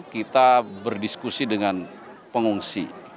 kita berdiskusi dengan pengungsi